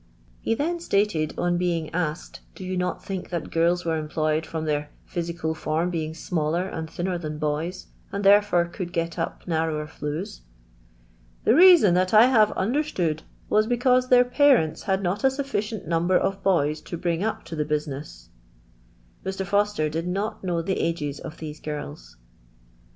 *' He then stated, on being asked, i *• Do you not think that girls were employed from their physical form l)eing smaller and thinner than boys, and therefore could get up ; naiTOwer flues'?*' ''The reason that I have undfr j stood was, because their parents liad nnt a sufli ; cient number of boys to bring up to the business/' j Ur. Foster did not know the ages of these girls.